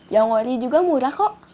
yang wari juga murah kok